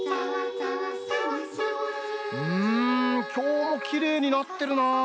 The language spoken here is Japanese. うんきょうもきれいになってるなあ。